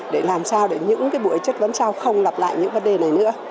để làm sao để những cái bụi chất lấn sao không lặp lại những vấn đề này nữa